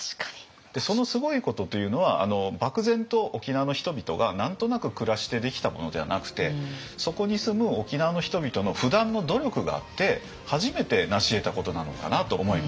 そのすごいことというのは漠然と沖縄の人々が何となく暮らしてできたものでなくてそこに住む沖縄の人々の不断の努力があって初めてなしえたことなのかなと思いました。